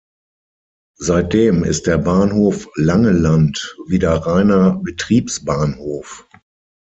Seitdem ist der Bahnhof Langeland wieder reiner "Betriebsbahnhof".